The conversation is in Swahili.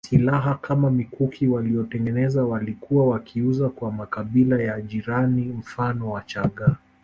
Silaha kama mikuki waliyotengeneza walikuwa wakiiuza kwa makabila ya jirani mfano Wachaga